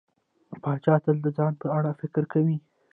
پاچا تل د ځان په اړه فکر کوي.